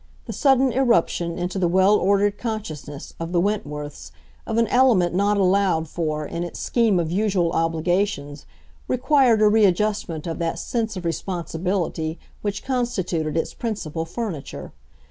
The sudden irruption into the well ordered consciousness of the Wentworths of an element not allowed for in its scheme of usual obligations required a readjustment of that sense of responsibility which constituted its principal furniture.